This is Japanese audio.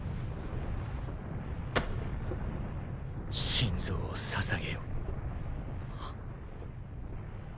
心臓を捧げよ。